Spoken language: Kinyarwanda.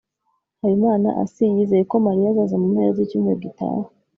habimanaasi yizeye ko mariya azaza mu mpera z'icyumweru gitaha